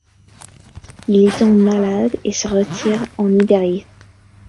Il y tombe malade et se retire en Ibérie.